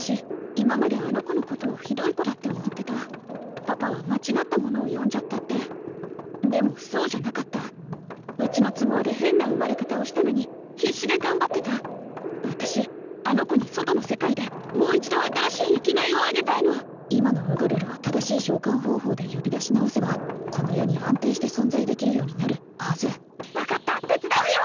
今まであの子のことをひどい子だって思ってたパパは間違ったものを呼んじゃったってでもそうじゃなかったうちの都合で変な生まれ方をしたのに必死で頑張ってた私あの子に外の世界でもう一度新しい生きがいをあげたいの今のウガルルを正しい召喚方法で呼び出し直せばこの世に安定して存在できるようになるはず分かった手伝うよ！